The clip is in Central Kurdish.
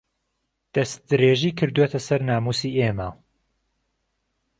دەستدرێژی کردووەتە سەر ناموسی ئێمە